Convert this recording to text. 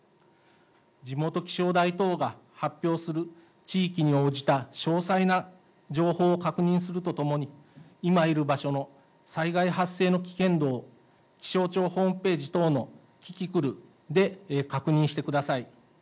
地元気象台等が発表する地域に応じた詳細な情報を確認するとともに、今いる場所の災害発生の危険度を気象庁ホームページ等のキキクルで確認してください。